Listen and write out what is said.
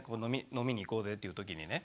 飲みに行こうぜっていう時にね